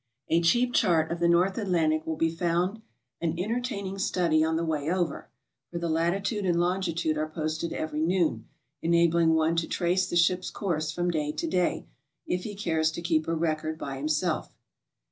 A cheap chart of the North Atlantic will be found an entertaining study on the way over, for the latitude and longitude are posted every noon, enabling one to trace the ship's course from day to day if he cares to keep a record by himself.